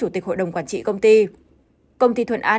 công ty thuật an được biết đến là doanh nghiệp này